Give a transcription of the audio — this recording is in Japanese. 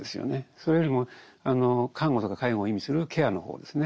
それよりも看護とか介護を意味するケアの方ですね